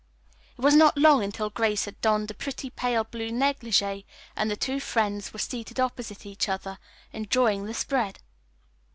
It was not long until Grace had donned a pretty pale blue negligee and the two friends were seated opposite each other enjoying the spread.